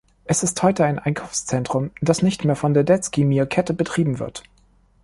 Es ist heute ein Einkaufszentrum, das nicht mehr von der Detski-Mir-Kette betrieben wird.